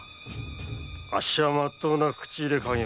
あっしはまっとうな口入れ稼業。